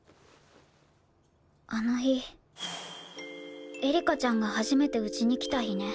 あの日エリカちゃんが初めてうちに来た日ね